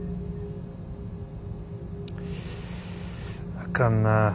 あかんな。